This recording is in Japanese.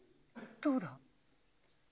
・どうだ？